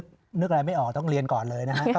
นึกอะไรไม่ออกต้องเรียนก่อนเลยนะครับ